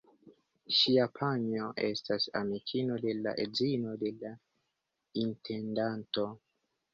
Ŝia panjo estas amikino de la edzino de la intendanto.